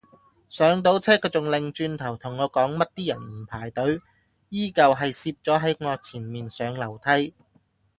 上到車佢仲擰轉頭同我講乜啲人唔排隊，依舊係攝咗喺我前面上樓梯